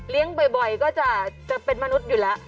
บ่อยก็จะเป็นมนุษย์อยู่แล้ว